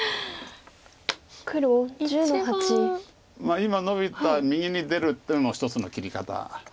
今ノビた右に出るっていうのも一つの切り方。